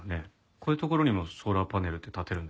こういう所にもソーラーパネルって立てるんですか？